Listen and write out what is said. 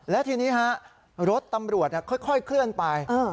และทีนี้ฮะรถตำรวจค่อยเคลื่อนไป